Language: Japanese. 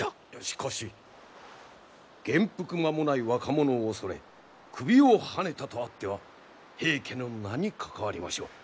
しかし元服間もない若者を恐れ首をはねたとあっては平家の名に関わりましょう。